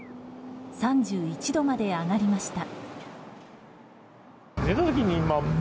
３１度まで上がりました。